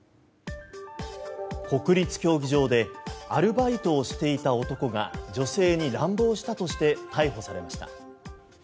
国立競技場でアルバイトをしていた男が女性に乱暴したとして逮捕されました。